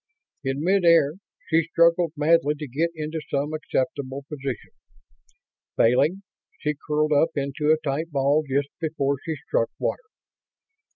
In midair she struggled madly to get into some acceptable position. Failing, she curled up into a tight ball just before she struck water.